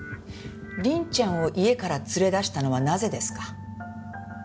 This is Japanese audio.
凛ちゃんを家から連れ出したのはなぜですか？